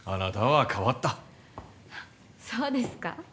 そうですか？